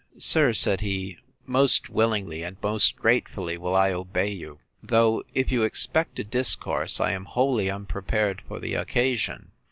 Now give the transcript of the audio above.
Sir, said he, most willingly, and most gratefully, will I obey you: Though, if you expect a discourse, I am wholly unprepared for the occasion.